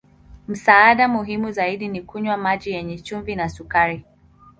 Msaada muhimu zaidi ni kunywa maji yenye chumvi na sukari.